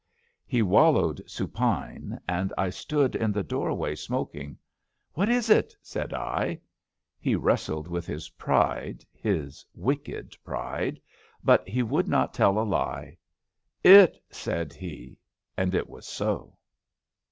He wallowed supine, and I stood in the doorway smok ing. ^^ What is it! ''said I. He wrestled with his pride — ^his wicked pride — but he would not tell a lie. It,*' said he. And it was so.